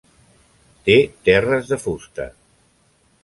Té terres de fusta.